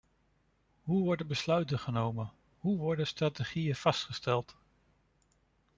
Hoe worden besluiten genomen, hoe worden strategieën vastgesteld?